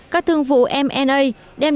các thương vụ mna đem đến nguồn đầu tư tăng mạnh